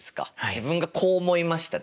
自分がこう思いましたっていう。